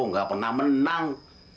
nggak pernah menang